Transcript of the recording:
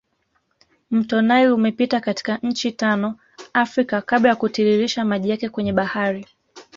Mto nile umepita katika nchi tano Africa kabla ya kutiririsha maji yake kwenye bahari